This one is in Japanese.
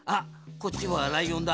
こっちはライオンだ。